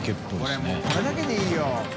俺もうこれだけでいいよ。